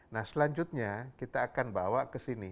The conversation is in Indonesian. nah selanjutnya kita akan bawa kesini